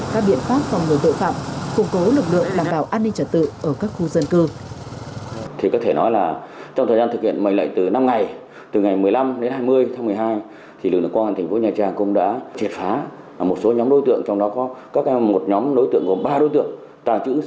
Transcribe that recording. các biện pháp phòng ngừa tội phạm củng cố lực lượng đảm bảo an ninh trật tự ở các khu dân cư